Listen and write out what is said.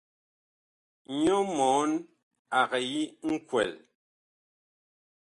Nyɔ mɔɔn ag yi nkwɛl.